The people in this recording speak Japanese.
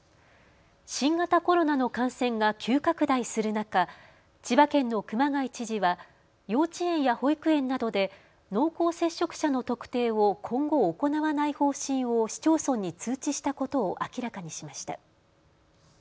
新型コロナの感染が急拡大する中、千葉県の熊谷知事は幼稚園や保育園などで濃厚接触者の特定を今後、行わない方針を市町村に通知したことを明らかにしました。